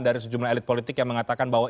dari sejumlah elit politik yang mengatakan bahwa